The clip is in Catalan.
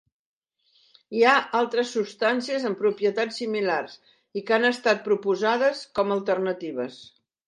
Hi ha altres substàncies amb propietats similars i que han estat proposades com a alternatives.